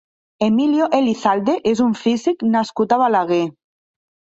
Emilio Elizalde és un físic nascut a Balaguer.